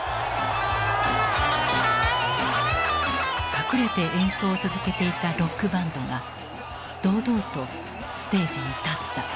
隠れて演奏を続けていたロックバンドが堂々とステージに立った。